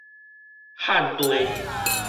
旱地